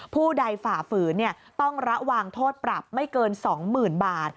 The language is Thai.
ผู้ใดฝ่าฝืนต้องระวังโทษปรับไม่เกิน๒๐๐๐บาท